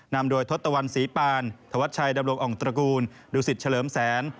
นำโดยทศตวรรณศรีปานธวัชชัยดำรงอ่องตระกูลดูสิตเฉลิมแสน